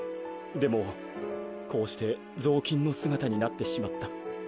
でもこうしてぞうきんのすがたになってしまった。